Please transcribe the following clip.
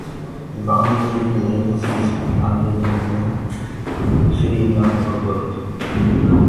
گائونٚ مي ايڪ نهيني سي اسپتال هي جرا مي ڦري اِلآج هوندو هي۔